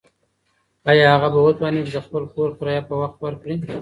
ایا هغه به وتوانیږي چې د خپل کور کرایه په وخت ورکړي؟